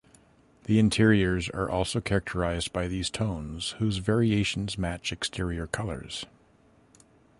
The interiors are also characterized by these tones whose variations match exterior colors.